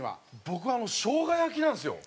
僕はしょうが焼きなんですよ。